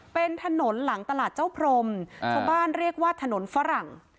เป็นถนนหลังตลาดเจ้าพรมชาวบ้านเรียกว่าถนนฝรั่ง